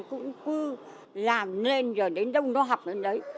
cũng cứ làm nên rồi đến đâu nó học đến đấy